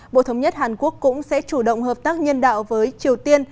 bộ thống nhất hàn quốc cũng sẽ chủ động hợp tác nhân đạo với triều tiên